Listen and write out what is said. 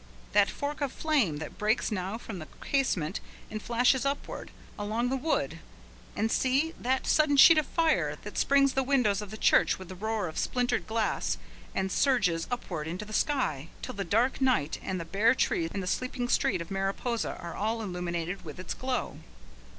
that fork of flame that breaks now from the casement and flashes upward, along the wood and see that sudden sheet of fire that springs the windows of the church with the roar of splintered glass and surges upward into the sky, till the dark night and the bare trees and sleeping street of Mariposa are all illumined with its glow!